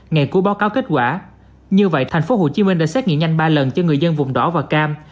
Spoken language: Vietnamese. ngày cuối báo cáo kết quả như vậy tp hcm đã xét nghiệm nhanh ba lần cho người dân vùng đỏ và cam